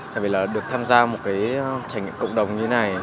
tại vì được tham gia một trải nghiệm cộng đồng như thế này